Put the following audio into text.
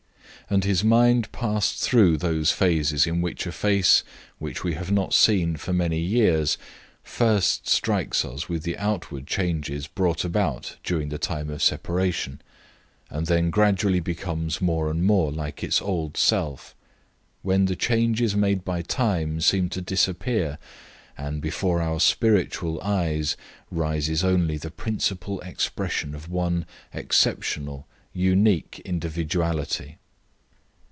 And his mind passed through those phases in which a face which we have not seen for many years first strikes us with the outward changes brought about during the time of separation, and then gradually becomes more and more like its old self, when the changes made by time seem to disappear, and before our spiritual eyes rises only the principal expression of one exceptional, unique individuality.